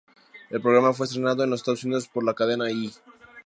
El programa fue estrenado en los Estados Unidos por la cadena E!